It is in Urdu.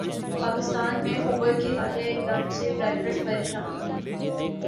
پاکستان میں اوبر کے حالیہ اقدام سے ڈرائیورز پریشان